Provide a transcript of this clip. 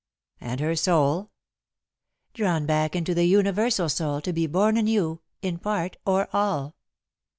"And her soul?" "Drawn back into the Universal soul, to be born anew, in part or all."